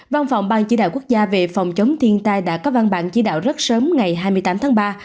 văn phòng ban chỉ đạo quốc gia về phòng chống thiên tai đã có văn bản chỉ đạo rất sớm ngày hai mươi tám tháng ba